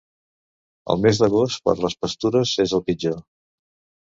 El mes d'agost, per les pastures és el pitjor.